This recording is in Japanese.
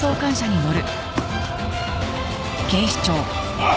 おい！